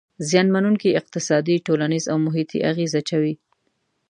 زیانمنووونکي اقتصادي، ټولنیز او محیطي اغیز اچوي.